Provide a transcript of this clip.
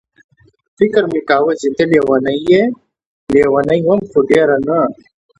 فکر مې کاوه چې ته لېونۍ یې، لېونۍ وم خو ډېره نه.